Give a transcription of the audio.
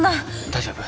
大丈夫。